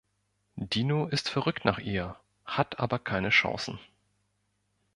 Dino ist verrückt nach ihr, hat aber keine Chancen.